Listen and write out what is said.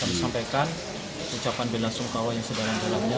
saya menyampaikan ucapan bela sungkawa yang sedang dalamnya